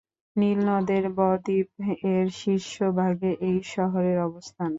নীল নদের ব-দ্বীপ এর শীর্ষ ভাগে এই শহরের অবস্থান।